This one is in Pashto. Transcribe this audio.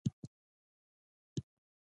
د حبو اخند زاده قبر ته مې دعا وکړه.